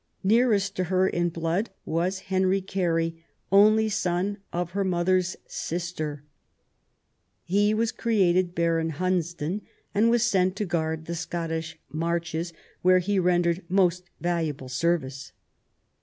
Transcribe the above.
Nearest to her in blood was Henry Carey, only son of her mother's sister. He was created Baron Hunsdon, and was sent to guard the Scottish marches, where he rendered most THE NEW ENGLAND. 269 valuable service.